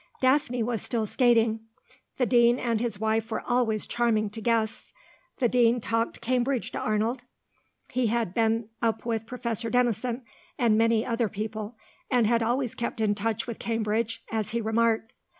Daphne was still skating. The Dean and his wife were always charming to guests. The Dean talked Cambridge to Arnold. He had been up with Professor Denison, and many other people, and had always kept in touch with Cambridge, as he remarked.